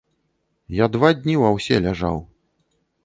Я два дні ў аўсе ляжаў.